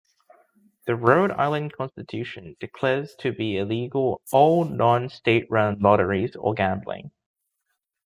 The Rhode Island Constitution declares to be illegal all non-state-run lotteries or gambling.